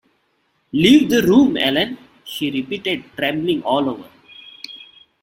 ‘Leave the room, Ellen!’ she repeated, trembling all over.